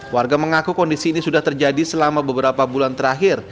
warga mengaku kondisi ini sudah terjadi selama beberapa bulan terakhir